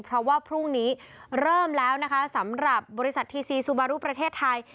เพราะว่าพรุ่งนี้เริ่มแล้วนะคะสำหรับบริษัททีซีซูบารุประเทศไทย